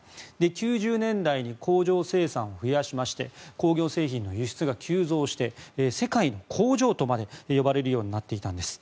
９０年代に工場生産を増やしまして工業製品の輸出が急増して世界の工場とまで呼ばれるようになっていたんです。